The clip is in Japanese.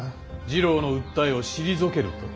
次郎の訴えを退けると。